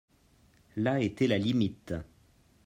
La etait la limite.